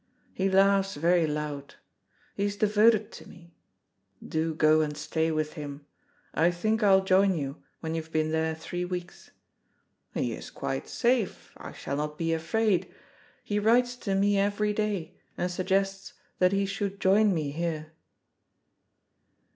He laughs very loud. He is devoted to me. Do go and stay with him. I think I'll join you when you've been there three weeks. He is quite safe. I shall not be afraid. He writes to me every day, and suggests that he should join me here."